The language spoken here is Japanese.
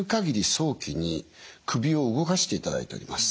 早期に首を動かしていただいております。